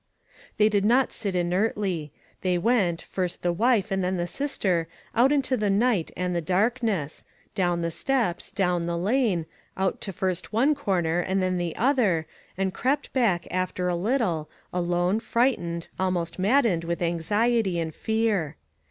They did not sit inertly; they went, first the wife, and then the sister, out into the night and the darkness; down the steps, down the lane, out to first one corner and then the other, and crept back, after a little, alone, frightened, almost maddened, with anxiety arid fear.